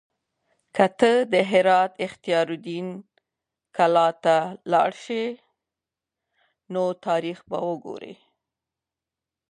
که ته د هرات اختیار الدین کلا ته لاړ شې نو تاریخ به وګورې.